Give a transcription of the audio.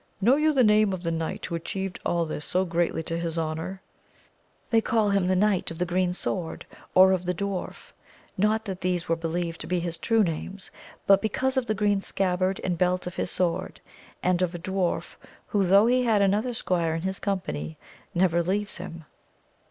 Know you the name of the knight who atchieved all this so greatly to his honour? — ^They called him the Eaiight of the Green Sword, or of the Dwarf, not that these were believed to be his true names, but because of the green scabbard and belt of his sword, and of a dwarf, who, though he had another squire in his company, never leaves him.